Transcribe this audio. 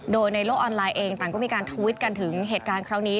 โดยในโลกออนไลน์เองต่างก็มีการทวิตกันถึงเหตุการณ์ครั้งนี้